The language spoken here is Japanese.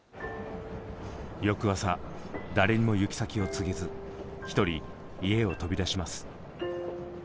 翌朝誰にも行き先を告げず一人家を飛び出します。